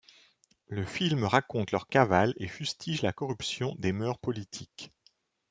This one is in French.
Le film raconte leur cavale et fustige la corruption des mœurs politiques.